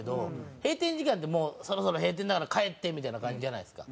閉店時間って「もうそろそろ閉店だから帰って」みたいな感じじゃないですか。